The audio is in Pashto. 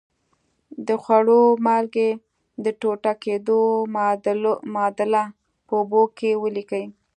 د خوړو مالګې د ټوټه کیدو معادله په اوبو کې ولیکئ.